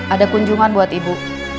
ada kunjungan buat ibu